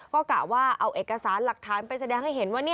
ก็กะว่าเอาเอกสารหลักฐานไปแสดงให้เห็นว่า